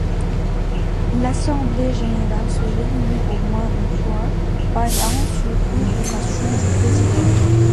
L'assemblée générale se réunit au moins une fois par an sur convocation du président.